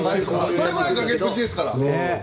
それぐらい崖っぷちですから。